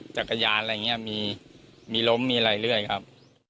จักรยานอะไรอย่างนี้มีล้มมีอะไรเรื่อยครับ